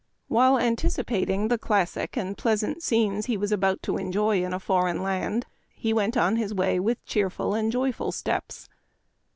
While antici pating the classic and pleasant scenes he was about to enjoy in a foreign land, he went on his way with cheerful and joyful steps.